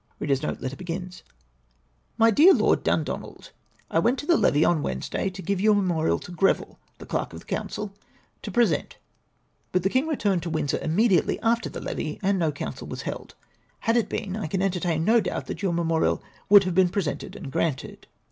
" Mr DEAK LoED DuNDONALD, — I went to the Levee on Wednesday to give your memorial to Grreville, the Clerk of the Council, to present — but the King returned to Windsor immediately after the Levee and no council was held. Had it been, I can entertain no doubt that your memorial would have been presented and granted.